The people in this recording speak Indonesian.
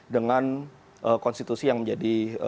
dengan konstitusi yang menjadi